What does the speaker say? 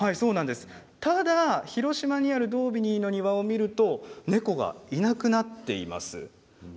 ただ広島にある「ドービニーの庭」を見ると猫がいなくなっています。